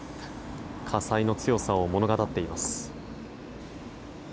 火災の強さを物語っています。